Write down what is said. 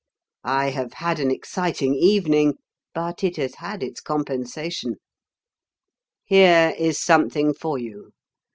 I have had an exciting evening, but it has had its compensation. Here is something for you.